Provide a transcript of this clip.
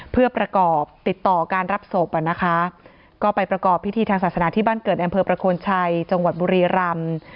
เพื่อประกอบติดต่อการรับศพอ่ะนะคะก็ไปประกอบพิธีทางศาสนาที่บ้านเกิดอำเภอประโคนชัยจังหวัดบุรีรำ